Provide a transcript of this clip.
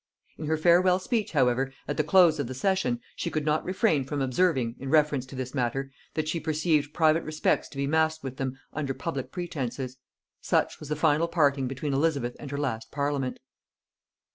In her farewell speech, however, at the close of the session, she could not refrain from observing, in reference to this matter, that she perceived private respects to be masked with them under public pretences. Such was the final parting between Elizabeth and her last parliament!